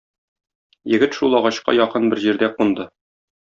Егет шул агачка якын бер җирдә кунды.